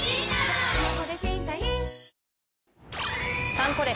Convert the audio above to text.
「サンコレ」